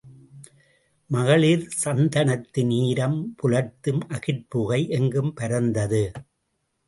மகளிர் சந்தனத்தின் ஈரம் புலர்த்தும் அகிற்புகை எங்கும் பரந்தது.